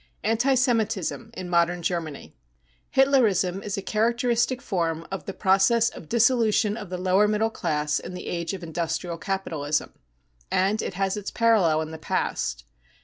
Anti Semitism in Modem Germany. Hitlerism is a characteristic form of the process of dissolution of the lower middle class in the age of industrial capitalism ; and it has its parallel in the past.